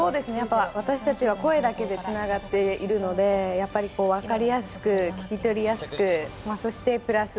私たちは声だけでつながっているので分かりやすく聞き取りやすくプラス